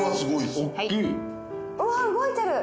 うわっ動いてる！